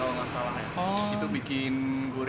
mulai dengan rambu address itu menegur